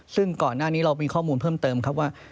ซึ่งก่อนหน้านี้เรามีข้อมูลเพิ่มเติมครับว่า